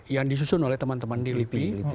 yang disusun oleh teman teman di lipi